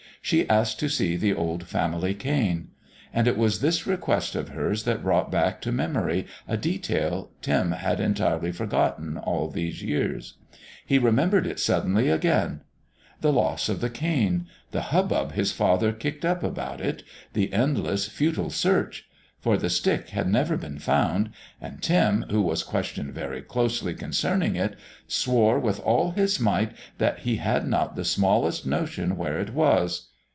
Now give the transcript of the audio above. She asked to see the old family cane. And it was this request of hers that brought back to memory a detail Tim had entirely forgotten all these years. He remembered it suddenly again the loss of the cane, the hubbub his father kicked up about it, the endless, futile search. For the stick had never been found, and Tim, who was questioned very closely concerning it, swore with all his might that he had not the smallest notion where it was.